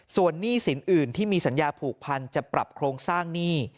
ส่วนหนี้สินอื่นที่มีสัญญาผูกพันจะปรับโครงสร้างหนี้